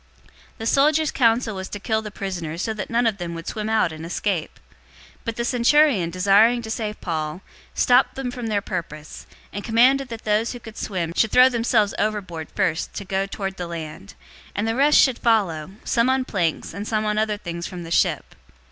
027:042 The soldiers' counsel was to kill the prisoners, so that none of them would swim out and escape. 027:043 But the centurion, desiring to save Paul, stopped them from their purpose, and commanded that those who could swim should throw themselves overboard first to go toward the land; 027:044 and the rest should follow, some on planks, and some on other things from the ship.